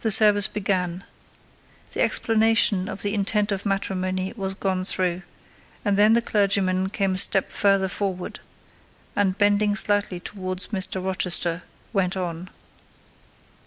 The service began. The explanation of the intent of matrimony was gone through; and then the clergyman came a step further forward, and, bending slightly towards Mr. Rochester, went on.